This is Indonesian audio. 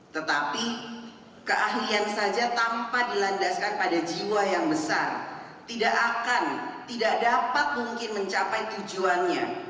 tetapi keahlian saja tanpa dilandaskan pada jiwa yang besar tidak akan tidak dapat mungkin mencapai tujuannya